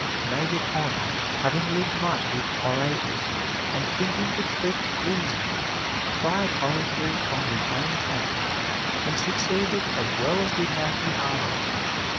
Major Pond, having lived much with orators, and thinking the trick easy, tried oratory on his own account, and succeeded as well as did Matthew Arnold.